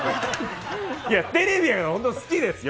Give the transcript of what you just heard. いや、テレビは本当好きですよ。